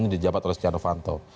di jabat oleh stiano fanto